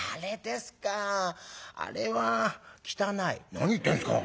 「何言ってんですか！